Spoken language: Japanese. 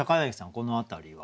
この辺りは？